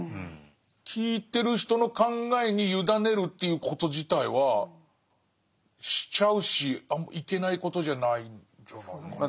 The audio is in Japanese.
聴いてる人の考えに委ねるということ自体はしちゃうしあんまいけないことじゃないんじゃないかな。